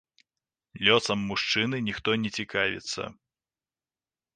Лёсам мужчыны ніхто не цікавіцца.